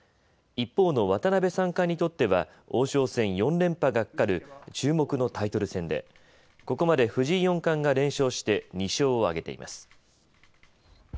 一方の渡辺三冠にとっては王将戦４連覇がかかる注目のタイトル戦でここまで藤井四冠が連勝して２勝を挙げています。